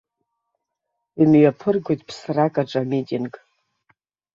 Имҩаԥыргоит ԥсракаҿ амитинг.